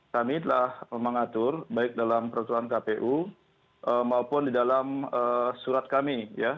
kami telah mengatur baik dalam peraturan kpu maupun di dalam surat kami